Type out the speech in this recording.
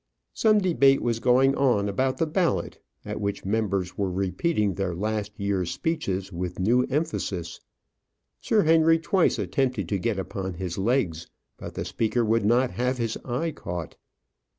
Some debate was going on about the Ballot, at which members were repeating their last year's speeches with new emphasis. Sir Henry twice attempted to get upon his legs, but the Speaker would not have his eye caught.